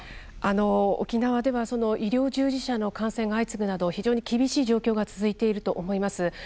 沖縄では医療従事者の感染が相次ぐなど非常に厳しい状況が続いていると思います。